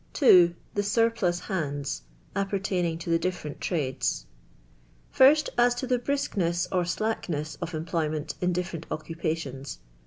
II. Tk€ JSwrj)lus Hands appertaining to ihc dif ferent trades. Pint, as to the briskness er slackaets of en pioynient in difierent occupations.